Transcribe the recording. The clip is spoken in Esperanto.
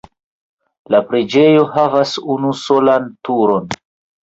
La preĝejo havas unusolan turon.